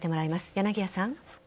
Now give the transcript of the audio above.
柳谷さん。